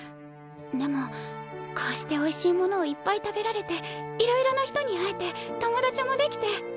でもこうしておいしいものをいっぱい食べられていろいろな人に会えて友達もできて。